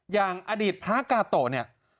อย่างอดีตพระกาโตะเนี่ย